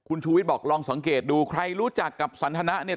คุณชูวิทย์บอกลองสังเกตดูใครรู้จักกับสันทนะเนี่ย